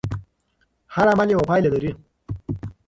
هر عمل یوه پایله لري.